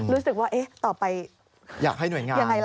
รู้สึกว่าต่อไปอย่างไรล่ะ